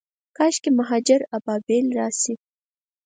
کاشکي، مهاجر ابابیل راشي